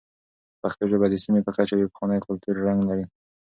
پښتو ژبه د سیمې په کچه یو پخوانی کلتوري رنګ لري.